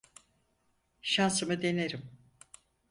Şansımı denerim.